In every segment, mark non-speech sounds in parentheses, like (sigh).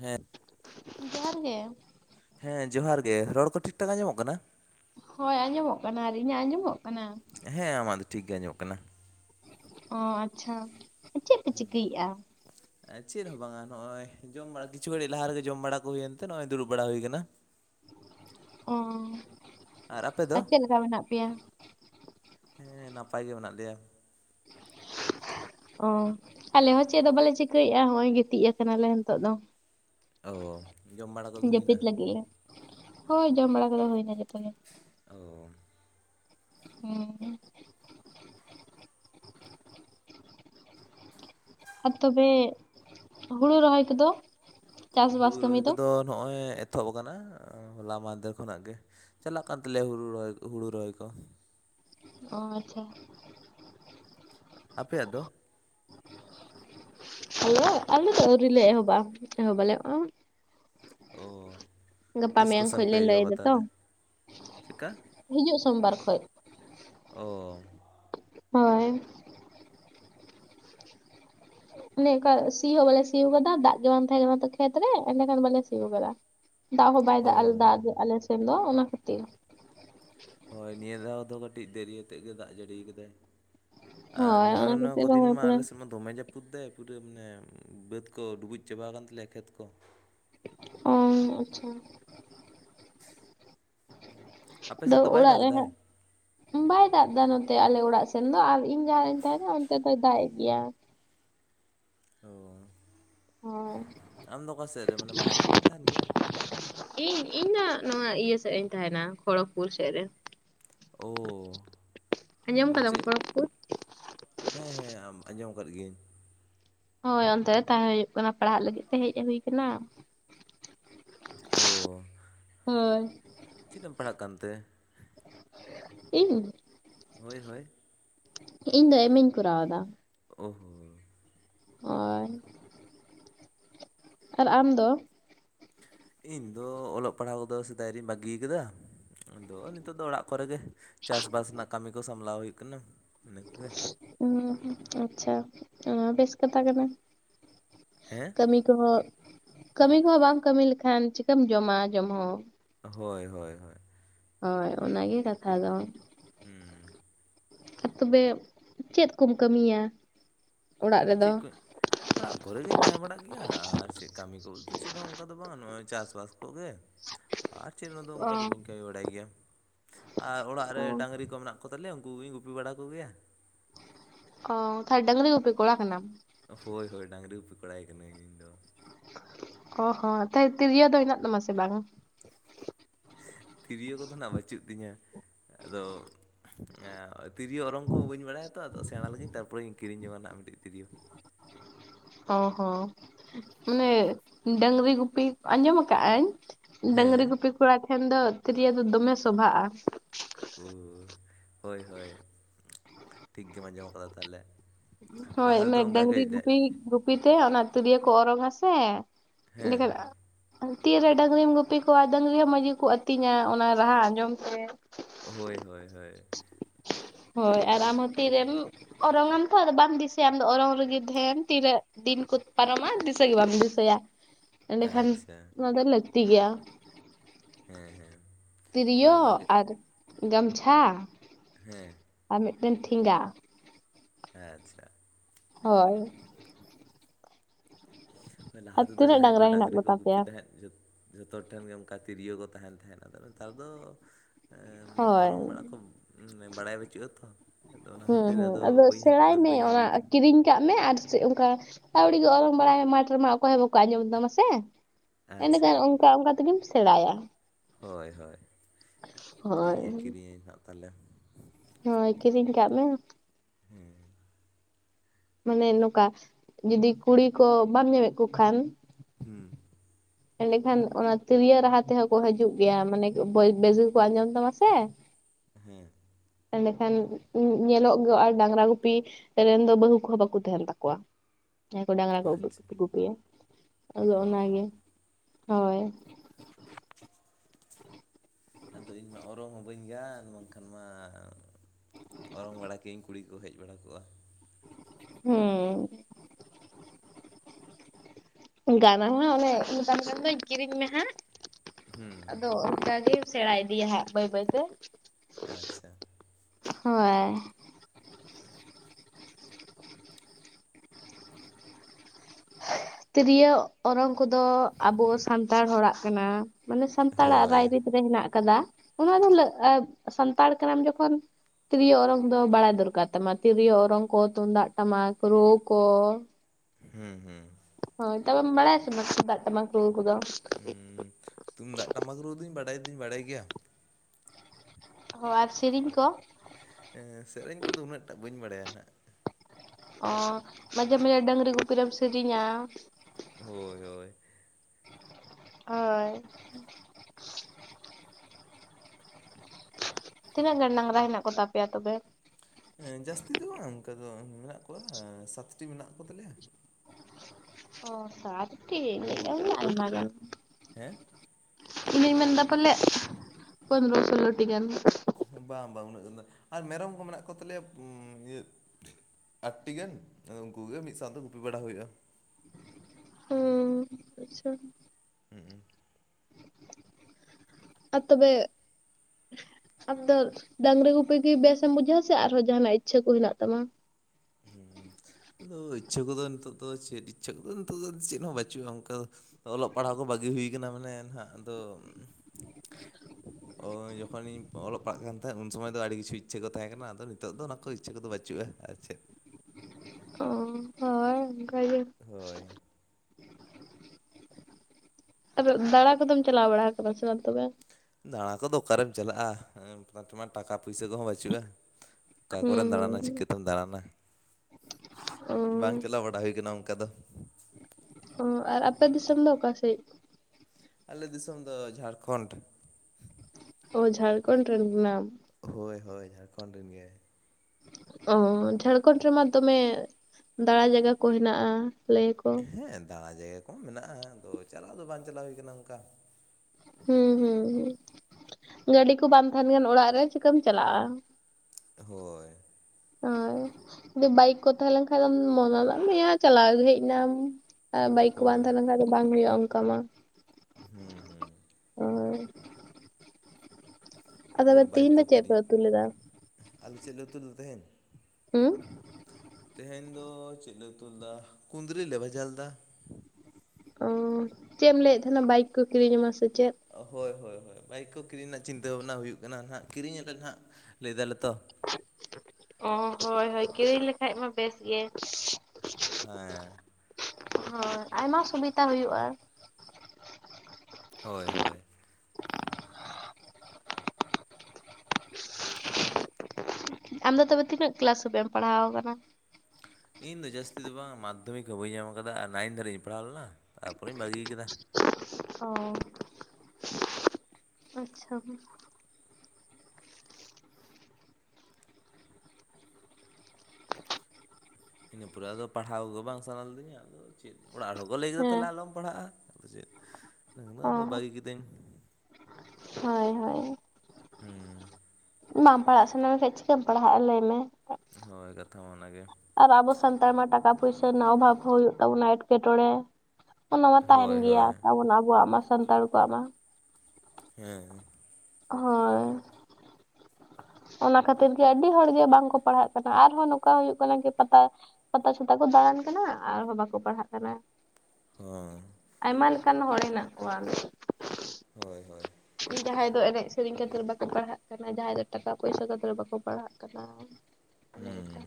ᱦᱮᱸ ᱡᱚᱦᱟᱨ ᱜᱮ᱾ ᱦᱮᱸ ᱡᱚᱦᱟᱨ ᱜᱮ, ᱨᱚᱲ ᱠᱚ ᱴᱷᱤᱠ ᱴᱷᱟᱠ ᱟᱸᱡᱚᱢᱚᱜ ᱠᱟᱱᱟ? ᱦᱳᱭ ᱟᱸᱡᱚᱢᱚᱜ ᱠᱟᱱᱟ, ᱟᱨ ᱤᱧᱟᱹᱜ ᱟᱸᱡᱚᱢᱚᱜ ᱠᱟᱱᱟ? ᱦᱮᱸ ᱟᱢᱟᱜ ᱫᱚ ᱴᱷᱤᱠ ᱜᱮ ᱟᱸᱡᱚᱢᱚᱜ ᱠᱟᱱᱟ᱾ ᱚ ᱟᱪᱪᱷᱟ, ᱪᱮᱫ ᱯᱮ ᱪᱤᱠᱟᱹᱭᱮᱜᱼᱟ? ᱪᱮᱫ ᱦᱚᱸ ᱵᱟᱝᱟ, ᱱᱚᱜᱼᱚᱭ ᱡᱚᱢ ᱵᱟᱲᱟ ᱠᱤᱪᱷᱩ ᱜᱷᱟᱹᱲᱤ ᱞᱟᱦᱟ ᱨᱮᱜᱮ ᱡᱚᱢ ᱵᱟᱲᱟ ᱦᱩᱭᱮᱱᱛᱮ ᱱᱚᱜ-ᱚᱭ ᱫᱲᱩᱵᱲᱟ ᱦᱩᱭ ᱠᱟᱱᱟ᱾ ᱚᱻ ᱟᱨ ᱟᱯᱮ ᱫᱚ, ᱦᱮᱸ ᱱᱟᱯᱟᱭ ᱜᱮ ᱢᱮᱱᱟᱜ ᱞᱮᱭᱟ᱾ ᱚ ᱟᱞᱮ ᱦᱚᱸ ᱪᱮᱫ ᱫᱚ ᱵᱟᱞᱮ ᱪᱤᱠᱟᱹᱭᱮᱼᱟ, ᱦᱚᱸᱜᱼᱚᱭ ᱜᱤᱛᱤᱡ ᱠᱟᱱᱟᱞᱮ ᱱᱤᱛᱳᱜ ᱫᱚ᱾ ᱳᱻ ᱡᱚᱢ ᱵᱟᱲᱟ ᱡᱟᱹᱯᱤᱫ ᱞᱟᱹᱜᱤᱫ ᱤᱧ, ᱦᱳᱭ ᱡᱚᱢ ᱵᱟᱲᱟ ᱠᱚᱫᱚ ᱦᱩᱭᱱᱟ ᱡᱚᱛᱚᱜ ᱜᱮ᱾ ᱳᱻ (unintelligible) ᱟᱨ ᱛᱚᱵᱮ ᱦᱩᱲᱩ ᱨᱚᱦᱚᱭ ᱠᱚᱫᱚ ᱪᱟᱥᱵᱟᱥ ᱦᱩᱲᱩ ᱠᱟᱹᱢᱤ ᱨᱚᱦᱚᱭ ᱫᱚ ᱠᱚᱫᱚ ᱱᱚᱜᱼᱚᱭ ᱮᱛᱚᱦᱚᱵ ᱠᱟᱱᱟ, ᱦᱚᱞᱟ ᱢᱟᱦᱫᱮᱨ ᱠᱷᱚᱱᱟᱜ ᱜᱮ᱾ ᱪᱟᱞᱟᱜ ᱠᱟᱱ ᱛᱟᱞᱮᱭᱟ ᱦᱩᱲᱩ ᱨᱚᱦᱚᱭ, ᱦᱩᱲᱩ ᱨᱚᱦᱚᱭ ᱠᱚ᱾ ᱚ ᱟᱪᱪᱷᱟ᱾ ᱟᱯᱮ ᱭᱟᱜ ᱫᱚ? ᱟᱞᱮ ᱟᱞᱮ ᱟᱣᱨᱤ ᱞᱮ ᱮᱦᱚᱵᱟ᱾ ᱚ ᱜᱟᱯᱟ ᱛᱤᱥ ᱢᱮᱭᱟᱝ ᱠᱚᱥᱮᱱ ᱠᱷᱚᱡ ᱯᱮ ᱞᱮ ᱞᱟᱹᱭ ᱮᱦᱚᱵᱟ ᱫᱟᱛᱚ ᱛᱟᱦᱚᱞᱮ? ᱪᱮᱠᱟ? ᱦᱤᱡᱩᱜ ᱥᱚᱢᱵᱟᱨ ᱠᱷᱚᱡ᱾ ᱚᱻ ᱦᱳᱭ᱾ ᱚᱱᱮ ᱚᱱᱠᱟ ᱥᱤ ᱦᱚᱸ ᱵᱟᱞᱮ ᱥᱤ ᱟᱠᱟᱫᱟ ᱫᱟᱜ ᱜᱮ ᱵᱟᱝ ᱛᱟᱦᱮᱸ ᱠᱟᱱᱟ ᱛᱚ ᱠᱷᱮᱛᱨᱮ ᱮᱸᱰᱮᱠᱷᱟᱱ ᱵᱟᱞᱮ ᱥᱤ ᱟᱠᱟᱫᱟ ᱾ ᱫᱟᱜ ᱦᱚᱸ ᱵᱟᱭ ᱚ ᱫᱟᱜ ᱞᱮᱫᱟ ᱟᱞᱮᱥᱮᱱ ᱫᱚ ᱚᱱᱟ ᱠᱷᱟᱹᱛᱤᱨ ᱾ ᱦᱳᱭ ᱱᱤᱭᱟᱹ ᱫᱷᱟᱣ ᱫᱚ ᱠᱟᱹᱴᱤᱡ ᱫᱮᱨᱤᱭᱟᱛᱮ ᱜᱮ ᱫᱟᱜ ᱡᱟᱹᱲᱤ ᱟᱠᱟᱫᱟᱭ ᱾ ᱟᱨ ᱦᱳᱭ ᱱᱚᱜ-ᱚᱭ ᱚᱱᱟ ᱱᱚᱣᱟ ᱠᱷᱟᱹᱛᱤᱨ ᱠᱚ ᱫᱤᱱ ᱨᱚᱦᱚᱭ ᱢᱟ ᱠᱟᱫᱟ ᱟᱞᱮᱥᱮᱫ ᱢᱟ ᱫᱚᱢᱮ ᱡᱟᱹᱯᱩ ᱮᱫᱟᱭ ᱯᱩᱨᱟᱹ ᱢᱟᱱᱮ ᱵᱟᱹᱫᱽ ᱠᱚ ᱰᱩᱵᱩᱡ ᱪᱟᱵᱟ ᱟᱠᱟᱱ ᱛᱟᱞᱮᱭᱟ ᱠᱷᱮᱛ ᱠᱚ ᱾ ᱚ ᱟᱪᱪᱷᱟ ᱾ (inaudible) ᱟᱫᱚ ᱥᱮᱫ ᱫᱚ ᱵᱟᱭ ᱚᱲᱟᱜ ᱫᱟᱜᱽ ᱨᱮ ᱮᱫᱟᱭ ᱦᱟᱸᱜ (inaudible) ᱵᱟᱭ ᱫᱟᱜ ᱮᱫᱟ ᱱᱚᱛᱮ ᱟᱞᱮ ᱚᱲᱟᱜ ᱥᱮᱱ ᱫᱚ ᱟᱨ ᱤᱧ ᱡᱟᱦᱟᱸ ᱨᱤᱧ ᱛᱟᱦᱮᱱᱟ ᱚᱱᱛᱮ ᱫᱚᱭ ᱫᱟᱜ ᱮᱫ ᱜᱮᱭᱟ ᱾ ᱚᱻ ᱦᱳᱭ (inaudible) ᱟᱢ ᱫᱚ ᱚᱠᱟ ᱥᱮᱫ ᱨᱮ ᱢᱟᱱᱮ ᱵᱟᱦᱨᱮ ᱥᱮᱫ ᱨᱮᱢ ᱛᱟᱦᱮᱱ ᱜᱮᱭᱟ? ᱤᱧ ᱤᱧ ᱫᱚ ᱱᱚᱣᱟ ᱤᱭᱟᱹ ᱥᱮᱫ ᱤᱧ ᱛᱟᱦᱮᱱᱟ ᱠᱷᱚᱲᱚᱜᱽᱯᱩᱨ ᱥᱮᱫ ᱨᱮ ᱾ ᱚ (inaudible) ᱟᱸᱡᱚᱢ ᱠᱟᱫᱟᱢ ᱪᱮᱫ ᱠᱷᱚᱲᱚᱜᱽᱯᱩᱨ? ᱦᱮᱸ ᱦᱮᱸ ᱟᱸᱢ ᱟᱸᱡᱚᱢ ᱟᱠᱟᱫ ᱜᱤᱭᱤᱧ ᱾ ᱦᱳᱭ ᱚᱱᱛᱮ ᱨᱮ ᱛᱟᱸᱦᱮ ᱦᱩᱭᱩᱜ ᱠᱟᱱᱟ ᱯᱟᱲᱦᱟᱜ ᱞᱟᱹᱜᱤᱫ ᱛᱮ ᱦᱮᱡ ᱦᱩᱭ ᱟᱠᱟᱱᱟ ᱾ ᱚ ᱦᱳᱭ ᱾ (inaudible) ᱪᱮᱫ ᱮᱢ ᱯᱟᱲᱦᱟᱜ ᱠᱟᱱᱛᱮ? (inaudible) ᱤᱧ? ᱦᱳᱭ ᱦᱳᱭ ᱾ ᱤᱧ ᱫᱚ ᱮᱢ ᱮᱧ ᱠᱚᱨᱟᱣ ᱮᱫᱟ ᱾ ᱚ ᱦᱚᱸ ᱾ ᱦᱳᱭ ᱾ (inaudible) ᱟᱨ ᱟᱢ ᱫᱚ? ᱤᱧ ᱫᱚ ᱚᱞᱚᱜ ᱯᱟᱲᱦᱟᱣ ᱠᱚᱫᱚ ᱥᱮᱫᱟᱭ ᱨᱤᱧ ᱵᱟᱹᱜᱤᱭ ᱟᱠᱟᱫᱟ ᱾ ᱟᱫᱚ ᱱᱤᱛᱚᱜ ᱫᱚ ᱚᱲᱟᱜ ᱠᱚᱨᱮ ᱜᱮ ᱾ ᱪᱟᱥᱵᱟᱥ ᱨᱮᱱᱟᱜ ᱠᱟᱹᱢᱤ ᱠᱚ ᱥᱟᱢᱞᱟᱣ ᱦᱩᱭᱩᱜ ᱠᱟᱱᱟ ᱤᱱᱟᱹ ᱠᱚᱜᱮ ᱾ ᱦᱩᱸ ᱟᱪᱪᱷᱟ ᱚᱱᱟ ᱦᱚ ᱵᱮᱥ ᱠᱟᱛᱷᱟ ᱠᱟᱱᱟ ᱾ ᱦᱮᱸ? ᱠᱟᱹᱢᱤ ᱠᱚᱦᱚ (inaudible) ᱠᱟᱹᱢᱤ ᱠᱚᱦᱚᱸ ᱵᱟᱢ ᱠᱟᱹᱢᱤ ᱞᱮᱠᱷᱟᱱ ᱪᱤᱠᱟᱹᱢ ᱡᱚᱢᱟ ᱡᱚᱢ ᱦᱚᱸ ᱾ ᱦᱳᱭ ᱦᱳᱭ ᱦᱳᱭ ᱾ ᱦᱳᱭ ᱚᱱᱟᱜᱮ ᱠᱟᱛᱷᱟ ᱫᱚ ᱾ ᱦᱮᱸᱻ ᱟᱨ ᱛᱚᱵᱮ (inaudible) ᱪᱮᱫ ᱠᱚᱢ ᱠᱟᱹᱢᱤᱭᱟ? ᱚᱲᱟᱜ ᱨᱮᱫᱚ ᱪᱮᱫ ᱠᱚ (inaudible) ᱚᱲᱟᱜ ᱠᱚᱨᱮᱜᱤᱧ ᱛᱟᱦᱮᱸ ᱵᱟᱲᱟᱜ ᱜᱮᱭᱟ ᱟᱨ ᱪᱮᱫ ᱠᱟᱹᱢᱤ ᱠᱚ ᱫᱚ ᱪᱮᱫ ᱦᱚᱸ ᱚᱱᱠᱟ ᱫᱚ ᱵᱟᱝ ᱱᱚᱜᱚᱭ ᱪᱟᱥ ᱵᱟᱥ ᱠᱚ ᱜᱮ ᱾ ᱟᱨ ᱪᱮᱫ ᱱᱚᱣᱟᱫᱚ ᱚ ᱚᱱᱠᱟ ᱫᱚ ᱵᱟᱹᱧ ᱠᱟᱢᱤ ᱵᱟᱲᱟᱭ ᱜᱮᱭᱟ ᱾ (inaudible) ᱟᱨ ᱚᱲᱟᱜ ᱚ ᱨᱮ ᱰᱟᱹᱝᱨᱤ ᱠᱚ ᱢᱮᱱᱟᱜ ᱠᱚ ᱛᱟᱞᱮᱭᱟ ᱩᱱᱠᱩᱜᱮᱧ ᱜᱩᱯᱤ ᱵᱟᱲᱟ ᱠᱚᱜᱮᱭᱟ ᱾ ᱚ ᱛᱟᱦᱮ ᱰᱟᱝᱨᱤ ᱜᱩᱯᱤ ᱠᱚᱲᱟ ᱠᱟᱱᱟᱢ? ᱦᱳᱭ ᱦᱳᱭ ᱰᱟᱝᱨᱤ ᱜᱩᱯᱤ ᱠᱚᱲᱟ ᱜᱮ ᱠᱟᱹᱱᱟᱹᱧ ᱤᱧᱫᱚ ᱾ ᱚ ᱦᱚᱸ ᱛᱟᱦᱮ ᱛᱤᱨᱭᱳ ᱫᱚ ᱢᱮᱱᱟᱜ ᱛᱟᱢᱟ ᱥᱮ ᱵᱟᱝ? ᱛᱤᱨᱭᱳ ᱠᱚᱫᱚ ᱦᱟᱸᱜ ᱵᱟᱹᱪᱩᱜ ᱛᱤᱧᱟ ᱾ (inaudible) ᱟᱫᱚ ᱮᱸ ᱛᱤᱨᱭᱳ ᱚᱨᱚᱝ ᱠᱚᱦᱚᱸ ᱵᱟᱹᱧ ᱵᱟᱲᱟᱭᱟ ᱛᱚ ᱟᱫᱚ ᱥᱮᱬᱟ ᱞᱮ ᱞᱮᱜᱮᱧ ᱛᱟᱨᱯᱚᱨᱮᱧ ᱠᱤᱨᱤᱧ ᱡᱚᱝᱟ ᱱᱟᱜ ᱢᱤᱫᱴᱮᱡ ᱛᱤᱨᱭᱳ ᱾ ᱚ ᱦᱚᱸ ᱾ (inaudible) ᱢᱟᱱᱮ ᱰᱟᱝᱨᱤ ᱜᱩᱯᱤ ᱟᱸᱡᱚᱢ ᱟᱠᱟᱫᱟᱹᱧ ᱾ ᱰᱟᱹᱝᱨᱤ ᱦᱮᱸ ᱜᱩᱯᱤ ᱠᱚᱲᱟ ᱴᱷᱮᱱ ᱫᱚ ᱛᱤᱨᱭᱳ ᱫᱚ ᱫᱚᱢᱮ ᱥᱚᱵᱷᱟᱜ-ᱟ ᱾ ᱦᱩᱸ ᱦᱳᱭ ᱦᱳᱭ ᱾ (inaudible) ᱴᱷᱤᱠ ᱜᱮᱢ ᱟᱸᱡᱚᱢ ᱟᱠᱟᱫᱟ ᱛᱟᱦᱚᱞᱮ ᱾ ᱦᱳᱭ ᱢᱟᱱᱮ ᱰᱟᱝᱨᱤ ᱜᱩᱯᱤ ᱜᱩᱯᱤ ᱛᱮ ᱚᱱᱟ ᱛᱤᱨᱭᱳ ᱠᱚ ᱚᱨᱚᱝᱟ ᱥᱮ, ᱦᱮᱸ ᱮᱸᱰᱮᱠᱷᱟᱱ ᱛᱤ ᱨᱮ ᱰᱟᱹᱝᱨᱤᱢ ᱜᱩᱯᱤ ᱠᱚᱣᱟ ᱰᱟᱹᱝᱨᱤ ᱦᱚᱸ ᱢᱚᱸᱡᱽ ᱜᱮᱠᱚ ᱟᱹᱛᱤᱧᱟ ᱚᱱᱟ ᱨᱟᱦᱟ ᱟᱸᱡᱚᱢ ᱛᱮ ᱾ ᱦᱳᱭ ᱦᱳᱭ ᱦᱳᱭ ᱾ ᱦᱳᱭ ᱟᱨ ᱟᱢ ᱦᱚ ᱛᱤ ᱨᱮᱢ ᱚᱨᱚᱝᱟᱢ ᱛᱚ ᱟᱫᱚ ᱵᱟᱢ ᱫᱤᱥ᱾ ᱫᱤᱥ ᱟᱢ ᱫᱚ ᱚᱨᱚᱝ ᱨᱮᱜᱮ ᱫᱷᱮᱭᱮᱱ ᱛᱤᱨᱮ ᱫᱤᱱ ᱠᱚ ᱯᱟᱨᱚᱢᱟ ᱫᱤᱥᱟᱹ ᱜᱮ ᱵᱟᱢ ᱫᱤᱥᱟᱹᱭᱟ ᱾ ᱮᱸᱰᱮᱠᱷᱟᱱ ᱟᱪᱪᱷᱟ ᱚᱱᱟ ᱫᱚ ᱞᱟᱹᱠᱛᱤ ᱜᱮᱭᱟ ᱦᱮᱸ ᱦᱮᱸ ᱾ ᱦᱳᱭ ᱛᱤᱨᱭᱳ ᱚᱱᱟᱜᱮ ᱟᱨ ᱜᱟᱢᱪᱷᱟ ᱾ ᱦᱮᱸ ᱾ ᱟᱨ ᱢᱤᱫᱴᱮᱱ ᱴᱷᱮᱸᱜᱟ ᱾ ᱟᱪᱷᱟ ᱾ ᱦᱳᱭ ᱾ ᱦᱳᱭ ᱞᱟᱦᱟ ᱟᱨ ᱛᱮᱫᱚ ᱛᱤᱱᱟᱹᱜ ᱡᱟᱦᱟᱸᱭ ᱠᱚ ᱰᱟᱝᱨᱟ ᱦᱮᱱᱟᱜ ᱰᱟᱹᱝᱨᱤ ᱠᱚ ᱠᱚᱛᱟ ᱜᱩᱯᱤ ᱯᱮᱭᱟ ᱛᱟᱦᱮᱸᱫ ᱡᱚᱛ᱾ ᱡᱚᱛᱚ ᱴᱷᱮᱱ ᱜᱮ ᱚᱱᱠᱟ ᱛᱤᱨᱭᱳ ᱠᱚ ᱛᱟᱦᱮᱱ ᱛᱟᱦᱮᱸᱱᱟ ᱟᱫᱚ ᱱᱮᱛᱟᱨ ᱫᱚ᱾ ᱢᱟᱱᱮ ᱚᱨᱚᱝ ᱦᱳᱭ ᱵᱟᱲᱟ ᱠᱚ ᱵᱟᱲᱟᱭ ᱵᱟᱹᱪᱩᱜᱼᱟ ᱛᱚ ᱾ ᱟᱫᱚ ᱚᱱᱟ ᱦᱩᱸ ᱠᱷᱟᱹᱛᱤᱨ ᱨᱮ ᱦᱩᱸ ᱟᱫᱚ ᱵᱟᱹᱧ ᱵᱟᱹᱧ ᱤᱫᱤᱭᱮᱫᱟ ᱾ ᱤᱫᱤ ᱠᱟᱜ ᱢᱮ ᱟᱨ ᱪᱮᱫ ᱚᱱᱠᱟ ᱟᱹᱣᱲᱤ ᱜᱮ ᱚᱨᱚᱝ ᱵᱟᱲᱟᱭ ᱢᱮ ᱢᱟᱴᱷ ᱨᱮᱢᱟ ᱚᱠᱚᱭ ᱦᱚᱸ ᱵᱟᱠᱚ ᱟᱸᱡᱚᱢ ᱛᱟᱢᱟ ᱥᱮ ᱾ ᱟᱪᱪᱷᱟ ᱮᱸᱰᱮᱠᱷᱟᱱ ᱚᱱᱠᱟ ᱚᱱᱠᱟ ᱛᱮᱜᱮᱢ ᱥᱮᱬᱟᱭᱟ ᱦᱳᱭ ᱦᱳᱭ ᱾ ᱴᱷᱤᱠ ᱜᱮᱭᱟ ᱠᱤᱨᱤᱧᱟᱹᱧ ᱦᱟᱸᱜ ᱛᱟᱦᱚᱞᱮ ᱾ ᱦᱳᱭ ᱠᱤᱨᱤᱧ ᱠᱟᱜ ᱢᱮ ᱾ ᱦᱮᱸ᱾ ᱢᱟᱱᱮ ᱱᱚᱝᱠᱟ ᱡᱩᱫᱤ ᱠᱩᱲᱤ ᱠᱚ ᱵᱟᱢ ᱧᱟᱢᱮᱫ ᱠᱚ ᱠᱷᱟᱱ᱾ ᱦᱩᱸ᱾ ᱮᱸᱰᱮᱠᱷᱟᱱ ᱚᱱᱟ ᱛᱤᱨᱭᱳ ᱨᱟᱦᱟ ᱛᱮᱦᱚᱸ ᱠᱚ ᱦᱤᱡᱩᱜ ᱜᱮᱭᱟ ᱢᱟᱱᱮ ᱵᱮᱥ ᱜᱮᱠᱚ ᱟᱸᱡᱚᱢ ᱛᱟᱢᱟ ᱥᱮ ᱾ ᱦᱮᱸ ᱾ ᱮᱸᱰᱮᱠᱷᱟᱱ ᱧᱮᱞᱚᱜ ᱜᱮ ᱟᱨ ᱰᱟᱝᱨᱟ ᱜᱩᱯᱤ᱾ ᱨᱮᱱ ᱫᱚ ᱵᱟᱹᱦᱩ ᱠᱚᱦᱚᱸ ᱵᱟᱠᱚ ᱛᱟᱦᱮᱱ ᱛᱟᱠᱚᱣᱟ᱾ ᱡᱟᱦᱟᱭ ᱠᱚ ᱰᱟᱝᱨᱟ ᱠᱚ ᱟᱪᱪᱷᱟ ᱛᱩᱠᱩᱯᱮᱭᱟ ᱟᱫᱚ ᱚ ᱚᱱᱟᱜᱮ ᱦᱳᱭ᱾ ᱟᱫᱚ ᱤᱧᱢᱟ ᱚᱨᱚᱝ ᱦᱚᱸ ᱵᱟᱹᱧ ᱜᱟᱱ ᱵᱟᱝᱠᱷᱟᱱ ᱢᱟ᱾ ᱚᱨᱚᱝ ᱵᱟᱲᱟ ᱠᱟᱹᱧ ᱠᱩᱲᱤ ᱠᱚ ᱦᱮᱡ ᱵᱟᱲᱟ ᱠᱚᱜᱼᱟ᱾ ᱦᱩᱸ᱾ ᱚᱱᱠᱟᱱᱟ ᱦᱚᱸ ᱚᱱᱮ ᱤᱧ ᱫ ᱜᱟᱱ ᱫᱚᱧ ᱠᱤᱨᱤᱧ ᱢᱮ ᱦᱟᱸᱜ᱾ ᱦᱩᱸ ᱟᱫᱚ ᱚᱱᱠᱟᱜ ᱜᱮ ᱥᱮᱬᱟ ᱤᱫᱤᱭᱟ ᱦᱟᱸᱜ ᱵᱟᱹᱭ ᱵᱟᱹᱭ ᱛᱮ᱾ ᱟᱪᱷᱟ᱾ ᱦᱳᱭ᱾ (inaudible) ᱛᱤᱨᱭᱳ ᱚᱨᱚᱝ ᱠᱚᱫᱚ ᱟᱵᱚ ᱥᱟᱱᱛᱟᱲ ᱦᱚᱲᱟᱜ ᱠᱟᱱᱟ᱾ ᱢᱟᱱᱮ ᱥᱟᱱᱛᱟᱲᱟᱜ ᱦᱳᱭ ᱨᱟᱭᱨᱤᱛ ᱨᱮ ᱦᱮᱱᱟᱜ ᱟᱠᱟᱫᱟ ᱚᱱᱟ ᱫᱚᱜ ᱥᱟᱱᱛᱟᱲ ᱠᱟᱱᱟᱢ ᱡᱚᱠᱷᱚᱱ᱾ ᱛᱤᱨᱭᱳ ᱚᱨᱚᱝ ᱫᱚ ᱵᱟᱲᱟᱭ ᱫᱚᱨᱠᱟᱨ ᱛᱟᱢᱟ ᱛᱤᱨᱭᱳ ᱚᱨᱚᱝ ᱠᱚ ᱛᱩᱢᱫᱟᱜ ᱴᱟᱢᱟᱠ ᱨᱩ ᱠᱚ᱾ ᱦᱩᱸ ᱦᱩᱸ᱾ ᱦᱳᱭ ᱛᱚᱵᱮ ᱢᱟᱲᱟᱭ ᱟᱥᱮ ᱵᱟᱝ ᱫᱩᱢᱰᱟᱜ ᱴᱟᱢᱟᱜ ᱨᱩ ᱠᱚᱫᱚ? ᱦᱩᱸ᱾ ᱛᱩᱢᱫᱟᱜ ᱴᱟᱢᱟᱠ ᱨᱩᱫᱩᱧ ᱵᱟᱰᱟᱭ ᱫᱩᱧ ᱵᱟᱰᱟᱭ ᱜᱮᱭᱟ᱾ ᱦᱚ ᱟᱨ ᱥᱮᱨᱮᱧ ᱠᱚ? ᱥᱮᱨᱮᱧ ᱠᱚᱫᱚ ᱩᱱᱟᱹᱜᱴᱟᱜ ᱵᱟᱹᱧ ᱵᱟᱲᱟᱭᱟ ᱱᱟᱦᱟᱸᱜ᱾ ᱚ ᱢᱟᱡᱷᱮ ᱢᱟᱡᱷᱮ ᱰᱟᱹᱝᱨᱤ ᱜᱩᱯᱤᱮᱢ ᱥᱮᱨᱮᱧᱟ᱾ ᱦᱳᱭ ᱦᱳᱭ᱾ ᱦᱳᱭ᱾ ᱛᱤᱱᱟᱹᱜ ᱜᱟᱱ ᱰᱟᱝᱨᱟ ᱦᱮᱱᱟᱜ ᱠᱚ ᱛᱟᱯᱮᱭᱟ ᱛᱚᱵᱮ? ᱡᱟᱹᱥᱛᱤ ᱫᱚ ᱵᱟᱝ ᱚᱱᱠᱟ ᱫᱚ ᱢᱮᱱᱟᱜ ᱠᱚᱣᱟ ᱥᱟᱛᱴᱤ ᱢᱮᱱᱟᱜ ᱠᱚ ᱛᱟᱞᱮᱭᱟ᱾ ᱚᱻ ᱥᱟᱛᱴᱤ ᱩᱱᱠᱩ (unintelligible) ᱟᱭᱢᱟ ᱜᱟᱱ᱾ ᱦᱮᱸ᱾ ᱤᱧᱫᱚᱧ ᱢᱮᱱᱫᱟ ᱯᱟᱞᱮᱜ ᱯᱚᱱᱨᱚ ᱥᱳᱞᱳᱴᱤ ᱜᱟᱱ᱾ ᱵᱟᱝ ᱵᱟᱝ ᱩᱱᱟᱹᱜ ᱜᱟᱱ ᱫᱚ ᱟᱨ ᱢᱮᱨᱚᱢ ᱠᱚ ᱢᱮᱱᱟᱜ ᱠᱚᱛᱟᱞᱮᱭᱟ ᱤᱭᱟᱹ ᱟᱴᱴᱤ ᱜᱟᱱ ᱟᱫᱚ ᱩᱱᱠᱩᱜ ᱜᱮ ᱢᱤᱫ ᱥᱟᱶᱛᱮ ᱜᱩᱯᱤ ᱵᱟᱲᱟ ᱦᱩᱭᱩᱜᱼᱟ᱾ ᱦᱩᱸ (unintelligible) ᱦᱮᱸ᱾ ᱟᱨ ᱛᱚᱵᱮ ᱟᱢᱫᱚ ᱰᱟᱝᱨᱤ ᱜᱩᱯᱤ ᱜᱮ ᱵᱮᱥᱮᱢ ᱵᱩᱡᱷᱟᱹᱣᱟ ᱥᱮ ᱟᱨᱦᱚᱸ ᱡᱟᱦᱟᱱᱟᱜ ᱤᱪᱪᱷᱟᱹ ᱠᱚ ᱦᱮᱱᱟᱜ ᱛᱟᱢᱟ? ᱦᱩᱸ ᱟᱫᱚ ᱤᱪᱷᱟᱹ ᱠᱚᱫᱚ ᱱᱤᱛᱚᱜ ᱫᱚ ᱪᱮᱫ ᱤᱪᱪᱷᱟᱹ ᱠᱚᱫᱚ ᱱᱤᱛᱚᱜ ᱫᱚ ᱪᱮᱫ ᱦᱚᱸ ᱵᱟᱹᱪᱩᱜᱼᱟ ᱚᱱᱠᱟ ᱫᱚ᱾ ᱚᱞᱚᱜ ᱯᱟᱲᱦᱟᱜ ᱠᱚ ᱵᱟᱹᱜᱤ ᱦᱩᱭ ᱠᱟᱱᱟ ᱢᱟᱱᱮ ᱮᱱᱦᱟᱜ ᱟᱫᱚ ᱚᱭ ᱡᱚᱠᱷᱚᱱᱤ ᱚᱞᱚᱜ ᱯᱟᱲᱟᱜ ᱛᱟᱦᱮᱸᱫ ᱩᱱ ᱥᱚᱢᱚᱭ ᱫᱚ ᱟᱹᱰᱤ ᱠᱤᱪᱷᱩ ᱤᱪᱪᱷᱟᱹ ᱠᱚ ᱛᱟᱦᱮᱸ ᱠᱟᱱᱟ᱾ ᱟᱫᱚ ᱱᱤᱛᱚᱜ ᱫᱚ ᱚᱱᱟ ᱠᱚ ᱤᱪᱷᱟᱹ ᱠᱚᱫᱚ ᱵᱟᱹᱪᱩᱜᱼᱟ᱾ ᱟᱨ ᱪᱮᱫ᱾ ᱚᱻ ᱦᱳᱭ ᱚᱱᱠᱟᱜᱮ᱾ ᱦᱳᱭ᱾ ᱟᱫᱚ ᱫᱟᱬᱟ ᱠᱚᱫᱚᱢ ᱪᱟᱞᱟᱣ ᱵᱟᱲᱟ ᱠᱟᱫᱟ ᱥᱮ ᱵᱟᱝ ᱛᱚᱵᱮ? ᱫᱟᱬᱟ ᱠᱚᱫᱚ ᱚᱠᱟᱨᱮᱢ ᱪᱟᱞᱟᱜᱼᱟ ᱱᱚᱛᱮ ᱢᱟ ᱴᱟᱠᱟ ᱯᱩᱭᱥᱟᱹ ᱠᱚᱦᱚᱸ ᱵᱟᱹᱪᱩᱜᱼᱟ᱾ ᱠᱟ ᱠᱚᱨᱮᱢ ᱦᱩᱸ ᱫᱟᱲᱟᱱᱟ (inaudible) ᱪᱤᱠᱟᱹᱛᱮᱢ ᱫᱟᱬᱟᱱᱟ, ᱵᱟᱝ ᱦᱩᱸ ᱪᱟᱞᱟᱣ ᱵᱟᱲᱟ ᱦᱩᱭ ᱠᱟᱱᱟ ᱚᱱᱠᱟ ᱫᱚ᱾ ᱚᱻ ᱟᱨ ᱟᱯᱮ ᱫᱤᱥᱚᱢ ᱫᱚ ᱚᱠᱟ ᱥᱮᱫ? ᱟᱞᱮ ᱫᱤᱥᱚᱢ ᱫᱚ ᱡᱷᱟᱲᱠᱷᱚᱸᱰ᱾ ᱚᱻ ᱡᱷᱟᱲᱠᱷᱚᱸᱰ ᱨᱮᱱ ᱠᱟᱱᱟᱢ᱾ ᱦᱳᱭ ᱦᱳᱭ ᱡᱷᱟᱲᱠᱷᱚᱸᱰ ᱨᱮᱱ ᱜᱮ᱾ ᱚᱻ ᱡᱷᱟᱲᱠᱷᱚᱸᱰ ᱨᱮᱢᱟ ᱫᱚᱢᱮ ᱫᱟᱬᱟ ᱡᱟᱭᱜᱟ ᱠᱚ ᱦᱮᱱᱟᱜᱼᱟ᱾ ᱞᱟᱹᱭᱟᱠᱚ ᱦᱮᱸ ᱫᱟᱬᱟ ᱡᱟᱭᱜᱟ ᱠᱚᱦᱚᱸ ᱢᱮᱱᱟᱜᱼᱟ ᱟᱫᱚ ᱪᱟᱞᱟᱣ ᱫᱚ ᱵᱟᱝ ᱪᱟᱞᱟᱣ ᱦᱩᱭ ᱠᱟᱱᱟ ᱚᱱᱠᱟ᱾ ᱦᱩᱸ ᱦᱩᱸ ᱦᱩᱸ ᱜᱟᱹᱰᱤ ᱠᱚ ᱵᱟᱝ ᱛᱟᱦᱮᱸᱱ ᱠᱷᱟᱱ ᱚᱲᱟᱜ ᱨᱮ ᱪᱤᱠᱟᱹᱢ ᱪᱟᱞᱟᱜ-ᱟ᱾ ᱦᱳᱭ᱾ ᱦᱳᱭ ᱡᱩᱫᱤ ᱵᱟᱭᱤᱠ ᱠᱚ ᱛᱟᱦᱮᱸ ᱞᱮᱱ ᱠᱷᱟᱡ ᱫᱚᱢ ᱢᱚᱱ ᱞᱟᱜ (unintelligible) ᱪᱟᱞᱟᱣ ᱦᱮᱡ ᱮᱱᱟᱢ᱾ ᱵᱟᱭᱤᱠ ᱠᱚ ᱵᱟᱝ ᱦᱳᱭ ᱛᱟᱦᱮᱸ ᱞᱮᱱᱠᱷᱟᱱ ᱫᱚ ᱵᱟᱝ ᱦᱩᱭᱩᱜᱼᱟ ᱚᱱᱠᱟ ᱢᱟ᱾ ᱦᱩᱸ ᱦᱩᱸ᱾ ᱦᱳᱭ᱾ ᱟᱫᱚ ᱚᱱᱟ (unintelligible) ᱵᱟᱭᱤᱠ ᱛᱤᱦᱤᱧ ᱫᱚ ᱠᱚ ᱪᱮᱫ ᱯᱮ ᱠᱤᱨᱤᱧ ᱩᱛᱩ ᱞᱮᱫᱟ? ᱟᱞᱮ ᱪᱮᱫ ᱞᱮ ᱩᱛᱩ ᱞᱮᱫᱮ ᱛᱟᱦᱮᱧ? ᱦᱩᱸ᱾ ᱛᱮᱦᱮᱧ ᱫᱚ ᱪᱮᱫ ᱞᱮ ᱩᱛᱩ ᱞᱮᱫᱟ? ᱠᱩᱱᱫᱽᱨᱤ ᱞᱮ ᱵᱷᱟᱡᱟ ᱞᱮᱫᱟ᱾ ᱚᱻ ᱪᱮᱫ ᱮᱢ ᱞᱟᱹᱭᱮᱫ ᱛᱟᱦᱮᱱᱟ ᱵᱟᱭᱤᱠ ᱠᱚ ᱠᱤᱨᱤᱧᱟᱢᱟ ᱥᱮ ᱪᱮᱫ? ᱦᱳᱭ ᱦᱳᱭ ᱦᱳᱭ ᱵᱟᱭᱤᱠ ᱠᱚ ᱠᱤᱨᱤᱧ ᱨᱮᱱᱟᱜ ᱪᱤᱱᱛᱟᱹ ᱵᱷᱟᱱᱟ ᱦᱩᱭᱩᱜ ᱠᱟᱱᱟ ᱱᱷᱟᱜ ᱠᱤᱨᱤᱧ ᱟᱞᱮ ᱱᱷᱟᱜ ᱞᱟᱹᱭᱫᱟᱞᱮ ᱛᱚ᱾ ᱚᱻ ᱦᱳᱭ ᱦᱳᱭ ᱠᱤᱨᱤᱧ ᱞᱮᱠᱷᱟᱡ ᱢᱟ ᱵᱮᱥ ᱜᱮ᱾ ᱦᱮᱸ᱾ ᱦᱳᱭ ᱟᱭᱢᱟ ᱥᱩᱵᱤᱫᱟ ᱦᱩᱭᱩᱜ-ᱟ᱾ ᱦᱚᱭ ᱦᱚᱭ᱾ ᱟᱢᱫᱚ ᱛᱚᱵᱮ ᱛᱤᱱᱟᱹᱜ ᱠᱮᱞᱟᱥ ᱦᱟᱹᱵᱤᱡ ᱮᱢ ᱯᱟᱲᱦᱟᱣ ᱠᱟᱱᱟ? ᱤᱧ ᱫᱚ ᱡᱟᱹᱥᱛᱤ ᱫᱚ ᱵᱟᱝ ᱢᱟᱫᱽᱫᱷᱚᱢᱤᱠ ᱦᱚᱸ ᱵᱟᱹᱧ ᱮᱢ ᱟᱠᱟᱫᱟ ᱟᱨ ᱱᱟᱭᱤᱱ ᱫᱷᱟᱨᱤᱡ ᱤᱧ ᱯᱟᱲᱦᱟᱣ ᱞᱮᱱᱟ ᱛᱟᱯᱚᱨᱮᱧ ᱵᱟᱹᱜᱤ ᱠᱟᱫᱟ᱾ ᱚᱻ ᱟᱪᱪᱷᱟ ᱦᱩᱸ᱾ ᱤᱱᱟᱹ ᱯᱚᱨᱮ ᱟᱫᱚ ᱯᱟᱲᱦᱟᱣ ᱜᱮ ᱵᱟᱝ ᱥᱟᱱᱟ ᱞᱤᱫᱤᱧᱟ ᱟᱫᱚ ᱪᱮᱫ ᱚᱲᱟᱜ ᱨᱮᱦᱚᱸᱠᱚ ᱞᱟᱹᱭ ᱠᱮᱫᱟ ᱦᱮᱸ ᱛᱟᱦᱚᱞᱮ ᱟᱞᱚᱢᱼᱼ ᱯᱟᱲᱦᱟᱜ-ᱟ ᱟᱫᱚ ᱪᱮᱫ ᱤᱧᱫᱚ ᱟᱫᱚ ᱵᱟᱹᱜᱤ ᱠᱤᱫᱟᱹᱧ᱾ ᱦᱚᱭ ᱦᱚᱭ᱾ ᱦᱩᱸ᱾ ᱵᱟᱝ ᱯᱟᱲᱦᱟᱜ ᱥᱟᱱᱟ ᱢᱮᱠᱷᱟᱱᱡ ᱪᱤᱠᱟᱹᱢ ᱯᱟᱲᱦᱟᱜ-ᱟ ᱞᱟᱹᱭ ᱢᱮ, ᱦᱚᱭ ᱠᱟᱛᱷᱟ ᱢᱟ ᱚᱱᱟᱜᱮ᱾ ᱟᱨ ᱟᱵᱚ ᱥᱟᱱᱛᱟᱲ ᱢᱟ ᱴᱟᱠᱟ ᱯᱩᱭᱥᱟᱹ ᱨᱮᱱᱟᱜ ᱚᱵᱷᱟᱵ ᱦᱚᱸ ᱦᱩᱭᱩᱜ ᱛᱟᱵᱚᱱᱟ ᱮᱸᱴᱠᱮᱴᱚᱬᱮᱼᱼ ᱚᱱᱟ ᱢᱟ ᱛᱟᱦᱮᱸᱱ ᱦᱳᱭ ᱜᱮᱭᱟ ᱦᱳᱭ ᱛᱟᱵᱚᱱ ᱟᱵᱚᱣᱟᱜ ᱢᱟ ᱥᱟᱱᱛᱟᱲ ᱠᱚᱣᱟᱜ-ᱢᱟ᱾ ᱦᱮᱸ᱾ ᱦᱳᱭ᱾ ᱚᱱᱟ ᱠᱷᱟᱹᱛᱤᱨ ᱜᱮ ᱟᱹᱰᱤ ᱦᱚᱲᱜᱮ ᱵᱟᱝᱠᱚ ᱯᱟᱲᱦᱟᱜ ᱠᱟᱱᱟ ᱟᱨᱦᱚᱸ ᱱᱚᱠᱟ ᱦᱩᱭᱩᱜ ᱠᱟᱱᱟ ᱜᱮ ᱯᱟᱛᱟᱼᱼ ᱯᱟᱛᱟ ᱪᱷᱟᱛᱟ ᱠᱚ ᱫᱟᱲᱟᱱ ᱠᱟᱱᱟ ᱟᱨᱦᱚᱸ ᱵᱟᱠᱚ ᱯᱟᱲᱦᱟᱜ ᱠᱟᱱᱟ᱾ ᱦᱚᱸ᱾ ᱟᱭᱢᱟ ᱞᱮᱠᱟᱱ ᱦᱚᱲ ᱦᱮᱱᱟᱜ ᱠᱚᱣᱟ ᱱᱤᱡᱼᱼ ᱦᱳᱭ ᱦᱳᱭ᱾ ᱡᱟᱦᱟᱸᱭ ᱫᱚ ᱮᱱᱮᱡ ᱥᱮᱨᱮᱧ ᱠᱷᱟᱹᱛᱤᱨ ᱵᱟᱠᱚ ᱯᱟᱲᱦᱟᱜ ᱠᱟᱱᱟ ᱡᱟᱦᱟᱸᱭ ᱫᱚ ᱴᱟᱠᱟ ᱯᱚᱭᱥᱟ ᱠᱷᱟᱛᱤᱨ ᱵᱟᱠᱚ ᱯᱟᱲᱦᱟᱜᱼᱼ ᱠᱟᱱᱟ ᱚᱱᱮ ᱦᱩᱸ ᱚᱱᱠᱟᱼᱼ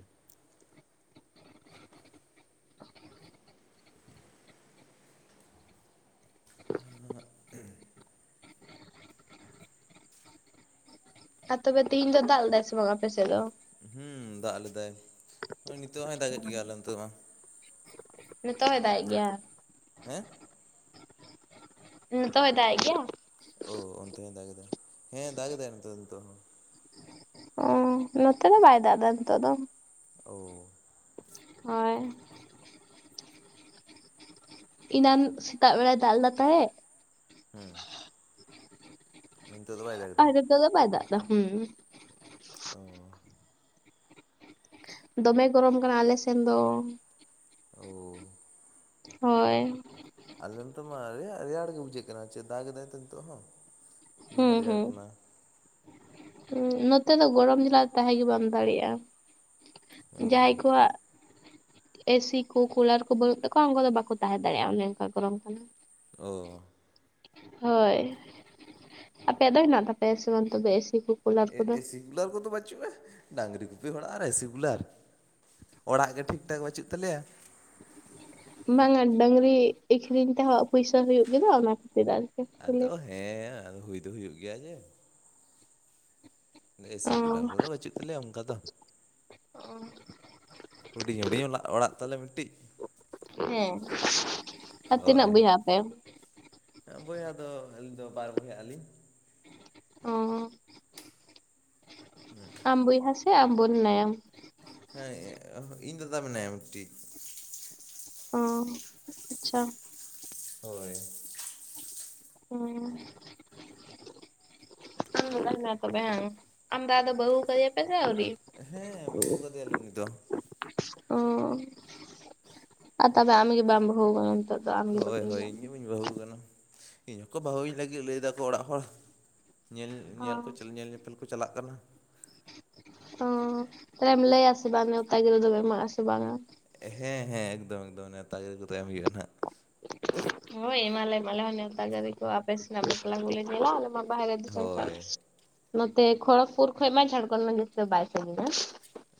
ᱦᱮᱸᱜ ᱩᱸ (inaudible) ᱟᱨ ᱛᱚᱵᱮ ᱛᱤᱦᱤᱧ ᱫᱚ ᱫᱟᱜ ᱞᱮᱫᱟᱭ ᱥᱮ ᱵᱟᱝ ᱟᱯᱮ ᱥᱮᱫ ᱫᱚ? ᱦᱩᱸ ᱫᱟᱜ ᱞᱮᱫᱟᱭ ᱦᱳᱭ ᱱᱤᱛᱚᱜ ᱦᱚᱭ ᱫᱟᱜᱮᱫ ᱜᱮᱭᱟ ᱟᱞᱮ ᱚᱱᱚᱛᱮ ᱢᱟ᱾ ᱱᱤᱛᱚᱜ ᱦᱚᱭ ᱫᱟᱜ-ᱮᱜ ᱜᱮᱭᱟ? ᱦᱮᱸᱼᱼ ᱱᱤᱛᱚᱜ ᱦᱚᱸᱭ ᱫᱟᱜ-ᱮᱜ ᱜᱮᱭᱟ? ᱳᱻ ᱚᱱᱛᱮ ᱦᱚᱸ ᱫᱟᱜ ᱮᱫᱟᱭ ᱦᱮᱸ ᱫᱟᱜ ᱮᱫᱟᱭ ᱱᱚᱛᱮ ᱫᱚ ᱱᱤᱛᱚᱜ ᱦᱚᱸ᱾ ᱦᱩᱸ ᱱᱚᱛᱮ ᱫᱚ ᱵᱟᱭ ᱫᱟᱜ ᱮᱫᱟ ᱱᱤᱛᱚᱜ ᱫᱚ᱾ ᱳᱻ ᱦᱚᱭ᱾ ᱤᱱᱟᱱ ᱥᱮᱛᱟᱜ ᱵᱮᱲᱟ ᱫᱟᱜ ᱞᱮᱫᱟ ᱛᱟᱦᱮᱸᱜ᱾ ᱦᱩᱸ᱾ ᱚᱱᱛᱮ ᱫᱚ ᱵᱟᱭ ᱫᱟᱜᱽ ᱮᱫᱟᱭ? ᱛᱚᱜ ᱫᱚ ᱵᱟᱭ ᱫᱟᱜ ᱫᱟ ᱦᱩ᱾ ᱚᱻ ᱫᱚᱢᱮ ᱜᱚᱨᱚᱢ ᱠᱟᱱᱟ ᱟᱞᱮ ᱥᱮᱱ ᱫᱚ᱾ ᱳᱻ ᱦᱳᱭ᱾ ᱟᱞᱮ ᱱᱚᱛᱮ ᱢᱟ ᱨᱮ ᱨᱮᱭᱟᱲ ᱜᱮ ᱵᱩᱡᱷᱟᱹᱜ ᱠᱟᱱᱟ ᱪᱮᱫ ᱫᱟᱠ ᱫᱟᱭ ᱛᱚ ᱱᱤᱛᱚᱜ ᱦᱚ᱾ ᱫᱚᱢᱮ ᱨᱮᱭᱟᱲ ᱠᱟᱱᱟ᱾ ᱦᱩ ᱱᱚᱛᱮ ᱫᱚ ᱜᱚᱨᱚᱢ ᱡᱮᱞᱟ ᱛᱟᱦᱮᱸ ᱜᱮ ᱵᱟᱢ ᱫᱟᱲᱮᱭᱟᱜᱼᱟ ᱚ ᱡᱟᱦᱟᱸᱭ ᱠᱚᱣᱟᱜᱼᱼ (unintelligible) ᱮᱥᱤ ᱠᱚ ᱠᱩᱞᱟᱨ ᱠᱚ ᱵᱟᱹᱱᱩᱜ ᱛᱟᱠᱚᱣᱟ ᱩᱱᱠᱩ ᱫᱚ ᱵᱟᱠᱚ ᱛᱟᱦᱮᱸ ᱫᱟᱲᱮᱭᱟᱜᱼᱟ ᱚᱱᱮ ᱚᱱᱠᱟ ᱜᱚᱨᱚᱢ ᱠᱟᱱᱟ᱾ ᱳᱻ ᱦᱳᱭ ᱟᱯᱮᱭᱟᱜ ᱫᱚ ᱦᱮᱱᱟᱜ ᱛᱟᱯᱮᱭᱟ ᱥᱮ ᱵᱟᱝ ᱮᱥᱤ ᱠᱩ? ᱮ ᱮᱥᱤ ᱠᱩᱞᱟᱨ ᱠᱚᱫᱚ ᱵᱟᱪᱩᱜᱼᱟ ᱰᱟᱝᱨᱤ ᱜᱩᱯᱤ ᱦᱚᱲᱟᱜ ᱟᱨ ᱮᱥᱤ ᱠᱩᱞᱟᱨ ᱚᱲᱟᱜ ᱜᱮ ᱴᱷᱤᱠ ᱴᱷᱟᱠ ᱵᱟᱪᱩᱜ ᱛᱟᱞᱮᱭᱟ ᱵᱟᱝ ᱟ ᱰᱟᱝᱨᱤ ᱟᱠᱷᱨᱤᱧ ᱛᱮᱦᱚ ᱯᱩᱭᱥᱟ ᱦᱩᱭᱩᱜ ᱜᱮᱫᱚ ᱚᱱᱟ ᱠᱷᱟᱛᱤᱨ ᱟᱨ ᱟᱫᱚ ᱦᱮ ᱟᱫᱚ ᱦᱩᱭ ᱫᱚ ᱦᱩᱭᱩᱜ ᱜᱮᱭᱟ ᱡᱮ ᱮᱥᱤ ᱚ ᱠᱩᱞᱟᱨ ᱠᱚᱫᱚ ᱵᱟᱪᱩᱜ ᱛᱟᱞᱮᱭᱟ ᱚᱱᱠᱟ ᱫᱚ ᱚ ᱦᱩᱰᱤᱧ ᱦᱩᱰᱤᱧ ᱚᱲᱟᱜ ᱛᱟᱞᱮ ᱢᱤᱫᱴᱤᱡ ᱦᱮᱸ ᱟᱨ ᱛᱤᱱᱟᱹᱜ ᱦᱳᱭ ᱵᱚᱭᱦᱟᱜ ᱟᱯᱮ ᱵᱚᱭᱦᱟ ᱫᱚ ᱟᱹᱞᱤᱧ ᱫᱚ ᱵᱟᱨ ᱵᱚᱭᱦᱟᱜ ᱟᱞᱤᱧ ᱚ ᱦᱮ ᱟᱢ ᱵᱚᱭᱦᱟ ᱥᱮ ᱟᱢ ᱵᱩᱱ ᱢᱮᱱᱟᱭᱟ ᱦᱮ ᱤᱧ ᱫᱟᱫᱟ ᱢᱮᱱᱟᱭᱟ ᱢᱤᱫᱴᱤᱡ ᱚ ᱟᱪᱪᱷᱟ ᱦᱳᱭ ᱦᱮ ᱟᱨ ᱢᱤᱫ ᱴᱟᱝ ᱢᱮᱱᱟᱭ ᱛᱟᱯᱮᱭᱟ ᱵᱟᱝ ᱟᱢ ᱫᱟᱫᱟ ᱫᱚ ᱵᱩᱦᱩᱣ ᱠᱟᱫᱮ ᱯᱮᱥᱮ ᱟᱣᱨᱤ ᱦᱮᱸ ᱵᱟᱹᱦᱩ ᱠᱟᱫᱮᱭᱟᱞᱮ ᱩᱱᱤ ᱫᱚ ᱚ ᱟᱨ ᱛᱚᱵᱮ ᱟᱢ ᱜᱮ ᱵᱟᱢ ᱵᱟᱦᱩ ᱠᱟᱱᱟ ᱱᱤᱛᱚᱜ ᱫᱚ ᱟᱢᱜᱮ ᱦᱳᱭ ᱵᱟᱹᱠᱤ ᱦᱳᱭ ᱦᱮᱱᱟᱜ ᱤᱧ ᱜᱮ ᱢᱮᱭᱟ᱾ ᱵᱟᱹᱧ ᱵᱟᱦᱩ ᱠᱟᱱᱟ ᱤᱧ ᱦᱚᱠᱚ ᱵᱟᱦᱩ ᱤᱧ ᱞᱟᱜᱤᱫ ᱞᱟᱹᱭ ᱫᱟᱠᱚ ᱚᱲᱟᱜ ᱦᱚᱲ ᱧᱮᱞ ᱚ ᱧᱮᱞ ᱠᱚ ᱧᱮᱞ ᱧᱮᱯᱮᱞ ᱠᱚ ᱪᱟᱞᱟᱜ ᱠᱟᱱᱟ ᱚ ᱛᱟᱞᱦᱮᱢ ᱞᱟᱹᱭᱟ ᱥᱮ ᱵᱟᱝ ᱱᱮᱣᱛᱟ ᱜᱤᱨᱟᱹ ᱫᱚᱢ ᱮᱢᱚᱜ ᱟᱥᱮ ᱵᱟᱝ ᱟ ᱦᱮᱸ ᱦᱮᱸ ᱮᱠᱫᱚᱢ ᱮᱠᱫᱚᱢ ᱱᱮᱣᱛᱟ ᱜᱤᱨᱟᱹ ᱠᱚᱫᱚ ᱮᱢ ᱦᱩᱭᱩᱜᱼᱟ ᱱᱟᱜ ᱦᱳᱭ ᱮᱢᱟᱞᱮᱢ ᱟᱞᱮ ᱦᱚ ᱱᱮᱣᱛᱟ ᱜᱟᱨᱤ ᱟᱯᱮᱥᱮᱱᱟᱜ ᱵᱟᱯᱞᱟ ᱠᱚᱞᱮ ᱧᱮᱞᱟ ᱟᱞᱮ ᱢᱟ ᱵᱟᱦᱨᱮ ᱫᱤᱥᱚᱢ ᱠᱷᱚᱱ ᱦᱳᱭ ᱱᱚᱛᱮ ᱠᱷᱚᱲᱚᱠᱯᱩᱨ ᱠᱷᱚᱱ ᱢᱟ ᱡᱷᱟᱲᱠᱷᱚᱱᱰ ᱢᱟ ᱡᱟᱹᱥᱛᱤ ᱫᱚ ᱵᱟᱭ ᱥᱟᱜᱤᱧᱟ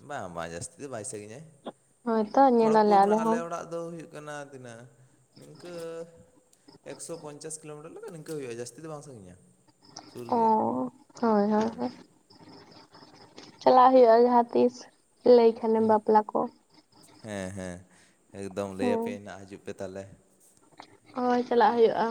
ᱵᱟᱝ ᱵᱟᱝ ᱡᱟᱥᱛᱤ ᱫᱚ ᱵᱟᱭ ᱥᱟᱜᱤᱧᱟ ᱦᱳᱭᱛᱚ ᱠᱷᱚᱲᱚᱜᱽᱯᱩᱨ ᱧᱮᱞᱟᱞᱮ ᱠᱷᱚᱱᱟᱜ ᱟᱞᱮ ᱦᱚᱸ ᱚᱲᱟᱜ ᱫᱚ ᱦᱩᱭᱩᱜ ᱠᱟᱱᱟ ᱛᱤᱱᱟᱹᱜ ᱤᱝᱠᱟᱹ ᱮᱠᱥᱚ ᱯᱚᱪᱟᱥ ᱠᱤᱞᱳᱢᱤᱴᱟᱨ ᱞᱮᱠᱟ ᱱᱤᱝᱠᱟᱹ ᱦᱩᱭᱩᱜᱼᱟ ᱡᱟᱹᱥᱛᱤ ᱫᱚ ᱵᱟᱝ ᱥᱟᱜᱤᱧᱟ ᱚ ᱦᱳᱭ ᱦᱮᱸ ᱦᱳᱭ ᱪᱟᱞᱟᱜ ᱦᱩᱭᱩᱜᱼᱟ ᱡᱟᱦᱟᱛᱤᱥ ᱞᱟᱹᱭ ᱠᱷᱟᱱᱮᱢ ᱵᱟᱯᱞᱟ ᱠᱚ ᱦᱮᱸ ᱦᱮᱸ ᱮᱠᱫᱚᱢ ᱞᱟᱹᱭ ᱦᱮᱸ ᱟᱯᱮᱭᱟᱹᱧ ᱦᱟᱸᱜ ᱦᱤᱡᱩᱜ ᱯᱮ ᱛᱟᱦᱚᱞᱮ ᱦᱳᱭ ᱪᱟᱞᱟᱜ ᱦᱩᱭᱩᱜᱼᱟ